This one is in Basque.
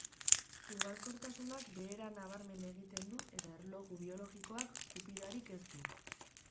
Ugalkortasunak behera nabarmen egiten du eta erloju biologikoak kupidarik ez du.